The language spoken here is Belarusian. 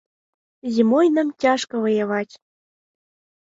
Зімой нам цяжка ваяваць.